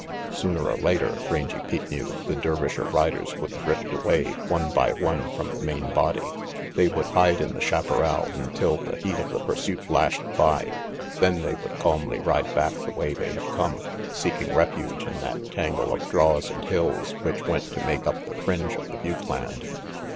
Sooner or later, Rangy Pete knew, the Dervisher riders would drift away one by one from the main body; they would hide in the chaparral until the heat of the pursuit lashed by, then they would calmly ride back the way they had come, seeking refuge in that tangle of draws and hills which went to make up the fringe of the butte land.